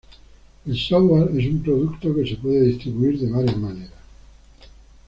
El software es un producto que se puede distribuir de varias maneras.